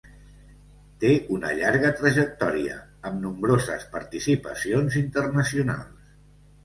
Té una llarga trajectòria, amb nombroses participacions internacionals.